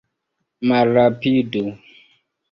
Malrapidu!